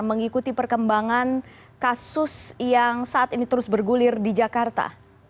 mengikuti perkembangan kasus yang saat ini terus bergulir di jakarta